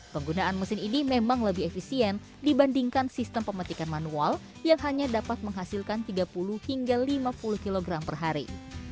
penggunaan mesin ini memang lebih efisien dibandingkan sistem pemetikan manual yang hanya dapat menghasilkan tiga puluh hingga lima puluh kg per hari